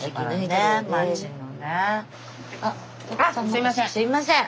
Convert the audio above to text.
すいません！